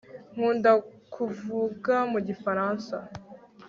nkunda kuvuga mu gifaransa